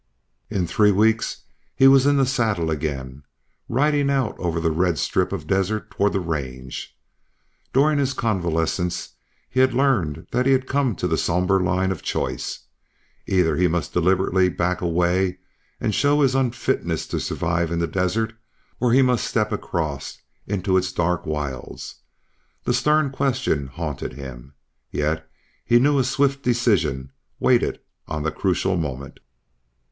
In three weeks he was in the saddle again, riding out over the red strip of desert toward the range. During his convalescence he had learned that he had come to the sombre line of choice. Either he must deliberately back away, and show his unfitness to survive in the desert, or he must step across into its dark wilds. The stern question haunted him. Yet he knew a swift decision waited on the crucial moment.